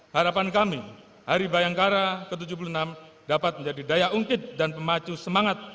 harapan kami hari bayangkara ke tujuh puluh enam dapat menjadi daya ungkit dan pemacu semangat